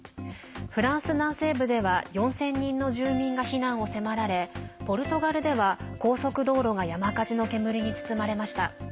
フランス南西部では４０００人の住民が避難を迫られポルトガルでは高速道路が山火事の煙に包まれました。